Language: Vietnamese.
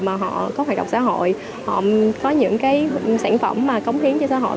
mà họ có hoạt động xã hội họ có những sản phẩm cống khiến cho xã hội